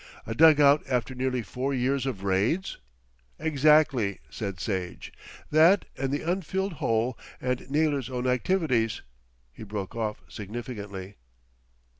"A dug out after nearly four years of raids?" "Exactly," said Sage, "that and the unfilled hole and Naylor's own activities " He broke off significantly.